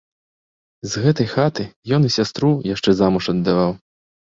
З гэтай хаты ён і сястру яшчэ замуж аддаваў.